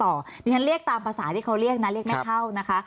นี่ฉันเรียกตามภาษาที่เขาเรียกนะเรียกแม่เท่านะคะ